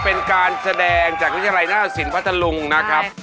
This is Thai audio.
เป็นการแสดงจากนิใชลัยณสินพัฒน์ลุงนะครับ